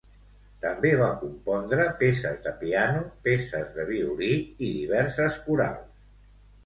També va compondre peces de piano, peces de violí i diverses corals.